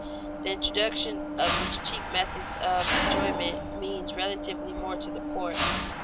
The introduction of these cheap methods of enjoyment means relatively more to the poor.